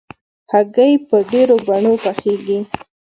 هګۍ په ډېرو بڼو پخېږي.